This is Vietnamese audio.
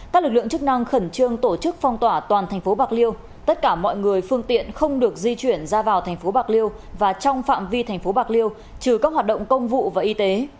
các lực lượng chức năng khẩn trương tổ chức phong tỏa toàn thành phố bạc liêu tất cả mọi người phương tiện không được di chuyển ra vào thành phố bạc liêu và trong phạm vi thành phố bạc liêu trừ các hoạt động công vụ và y tế